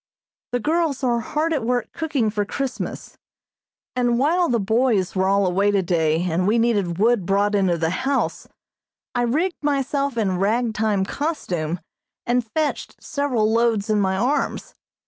The girls are hard at work cooking for Christmas, and while the boys were all away today and we needed wood brought into the house, I rigged myself in rag time costume and fetched several loads in my arms.